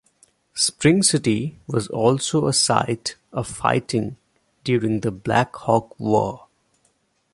Spring City was also a site of fighting during the Black Hawk War.